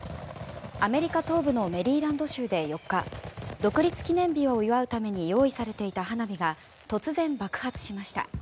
アメリカ東部のメリーランド州で４日独立記念日を祝うために用意されていた花火が突然、爆発しました。